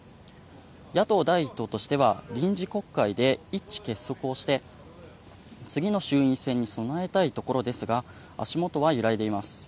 野党第１党としては臨時国会で一致結束をして次の衆院選に備えたいところですが足元は揺らいでいます。